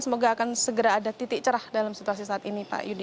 semoga akan segera ada titik cerah dalam situasi saat ini pak yudi